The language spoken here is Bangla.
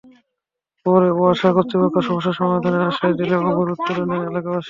পরে ওয়াসা কর্তৃপক্ষ সমস্যা সমাধানের আশ্বাস দিলে অবরোধ তুলে নেন এলাকাবাসী।